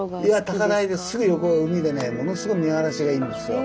高台ですぐ横が海でねものすごい見晴らしがいいんですよ。